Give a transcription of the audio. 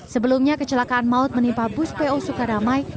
sebelumnya kecelakaan maut menimpa bus po sukadamai